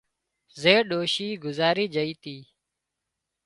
زي ڏوشي گذارِي جھئي تِي